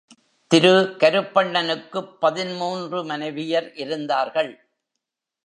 திரு கருப்பண்ணனுக்குப் பதின்மூன்று மனைவியர் இருந்தார்கள்.